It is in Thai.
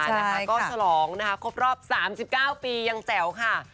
ใช่ค่ะก็สลองนะครับครบรอบ๓๙ปียังแจ๋วค่ะ